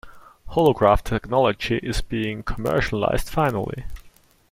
Holograph technology is being commercialized finally.